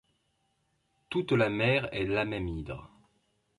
Toute la mer est la même hydre.